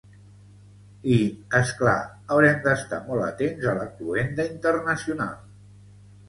I, és clar, haurem d’estar molt atents a la cloenda internacional.